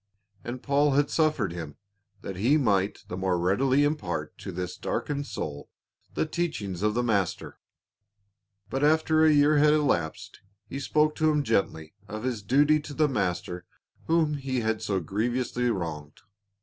And Paul had suffered him, that he might the more readily impart to this darkened soul the teachings of the Master. But after a year had elapsed he spoke to him gently of his duty to the master whom he had so grievously wronged.